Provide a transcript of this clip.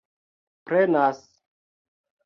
prenas